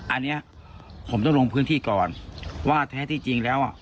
อันนี้ผมต้องลงพื้นที่ก่อนว่าแท้ที่จริงแล้วอ่ะ